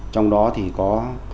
trong đó thì có